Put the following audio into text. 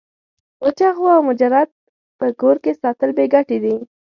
وچه غوا او مجرد په کور کي ساتل بې ګټي دي.